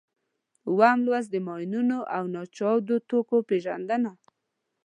اووم لوست د ماینونو او ناچاودو توکو پېژندنه ده.